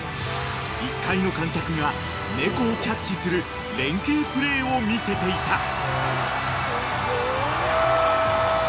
［１階の観客が猫をキャッチする連携プレーを見せていた］